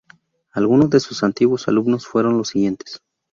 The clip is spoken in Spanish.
Algunos de sus antiguos alumnos fueron los siguientes.